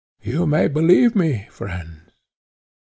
You may believe me, friends."